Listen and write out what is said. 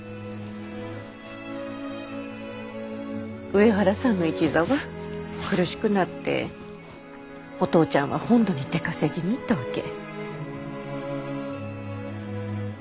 上原さんの一座は苦しくなってお父ちゃんは本土に出稼ぎに行ったわけ。